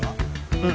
うん。